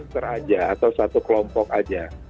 seter aja atau satu kelompok aja